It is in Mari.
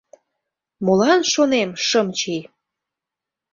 Молан, шонем, шым чий?..